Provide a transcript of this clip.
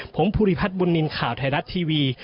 ผมภูริพัฒน์บุญนินทร์ข่าวไทยรัฐทีวี